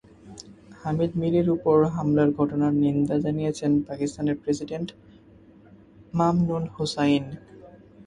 হামিদ মিরের ওপর হামলার ঘটনার নিন্দা জানিয়েছেন পাকিস্তানের প্রেসিডেন্ট মামনুন হুসাইন।